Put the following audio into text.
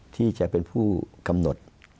ที่จะเป็นผู้กำหนด